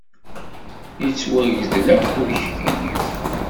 Da yettwagdel akk ukeyyef.